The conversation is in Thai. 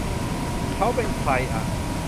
เค้าเป็นใครอ่ะ